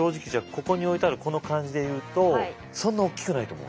ここに置いてあるこの感じで言うとそんな大きくないと思う。